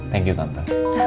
thank you tante